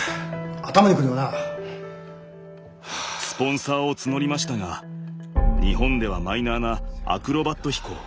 スポンサーを募りましたが日本ではマイナーなアクロバット飛行。